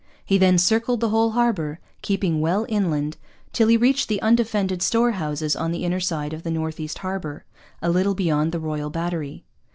He then circled the whole harbour, keeping well inland, till he reached the undefended storehouses on the inner side of the North East Harbour, a little beyond the Royal Battery.